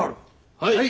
はい！